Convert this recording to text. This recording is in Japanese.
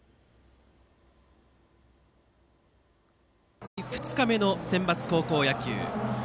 大会２日目のセンバツ高校野球。